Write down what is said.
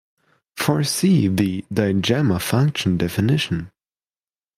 For see the digamma function definition.